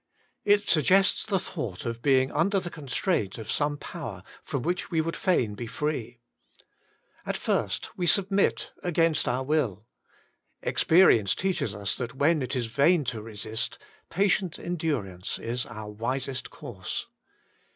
It suggests the thought of being under the constraint of some power from which we fain would be free. At first we 72 WAITING ON GOD! sulnnit against our will ; experience teaches us that when it is vain to resist, patient endurance is our wisest course.